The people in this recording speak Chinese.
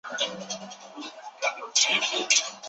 头颅骨很短及高。